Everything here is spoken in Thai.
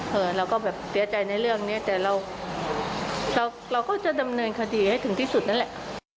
เราก็แบบเสียใจในเรื่องนี้แต่เราเราก็จะดำเนินคดีให้ถึงที่สุดนั่นแหละ